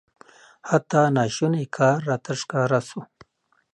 حتی ناشونی کار راته ښکاره سو.